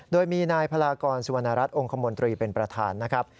โดยมีนายพารากอลสุวนรัสองคมวลตรีเป็นประธานนะครับ